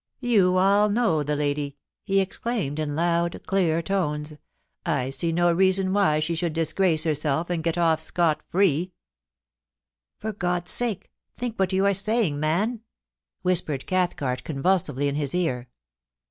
'You all know the lady,' he exclaimed, in loud, clear I tones. * I see no reason why she should disgrace herself and get off scot free ' *For God's sake, think what you are saying, man? whispered Cathcart convulsively in his ear.